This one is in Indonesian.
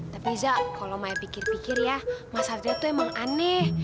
tapi zak kalau maya pikir pikir ya mas hadar tuh emang aneh